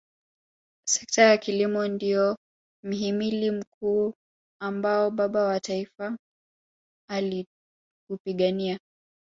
sekta ya kilimo ndio mhimili mkuu ambao baba wa taifa aliupigania